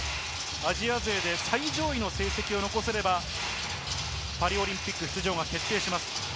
アジア勢で最上位の成績を残せればパリオリンピック出場が決定します。